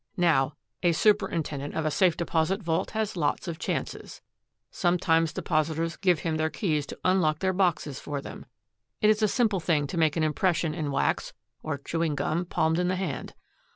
"Now, a superintendent of a safe deposit vault has lots of chances. Sometimes depositors give him their keys to unlock their boxes for them. It is a simple thing to make an impression in wax or chewing gum palmed in the hand.